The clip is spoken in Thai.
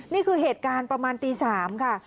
นี่คือเหตุการณ์ประมาณตี๓ค่ะ